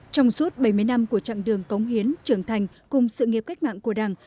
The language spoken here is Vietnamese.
trong suốt bảy mươi năm của trạng đường cống hiến trường thành cùng sự nghiệp cách mạng của đảng